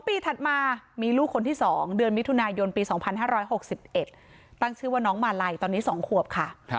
ปีถัดมามีลูกคนที่๒เดือนมิถุนายนปี๒๕๖๑ตั้งชื่อว่าน้องมาลัยตอนนี้๒ขวบค่ะ